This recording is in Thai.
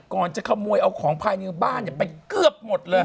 ก่อนจะขโมยเอาของภายในบ้านไปเกือบหมดเลย